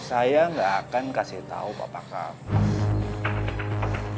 oke saya gak akan kasih tau pak pakak